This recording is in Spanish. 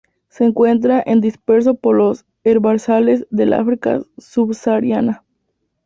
Se encuentra en disperso por los herbazales del África subsahariana.